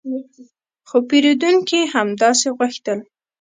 خو پیرودونکي همداسې غوښتل